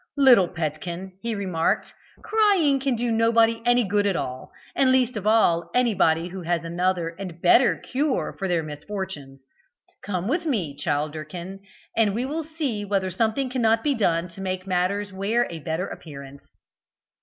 "Little petkin," he remarked, "crying can do nobody any good at all, and least of all anyone who has another and better cure for their misfortunes. Come with me, Childerkin, and we will see whether something cannot be done to make matters wear a better appearance."